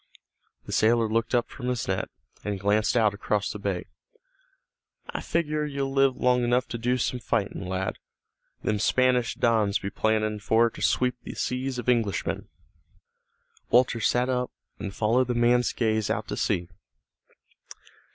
The sailor looked up from his net, and glanced out across the bay. "I figure you'll live long enough to do some fightin', lad. Them Spanish dons be plannin' for to sweep the seas of Englishmen." Walter sat up, and followed the man's gaze out to sea.